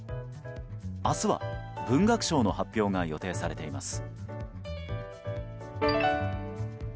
明日は、文学賞の発表が予定されています。